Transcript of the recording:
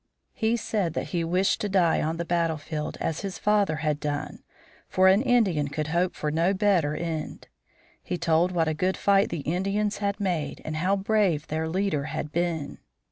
He said that he wished to die on the battlefield, as his father had done, for an Indian could hope for no better end. He told what a good fight the Indians had made and how brave their leader had been.